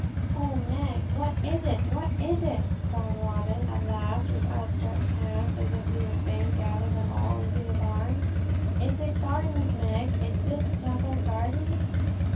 'Oh, Meg, what is it? what is it?' cried Robin at last, with outstretched hands, as if he would fain gather them all into his arms. 'Is it gardens, Meg? Is this Temple Gardens?'